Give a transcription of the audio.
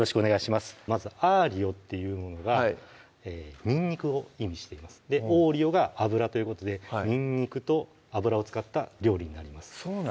まず「アーリオ」っていうものが「にんにく」を意味しています「オーリオ」が「油」ということでにんにくと油を使った料理になります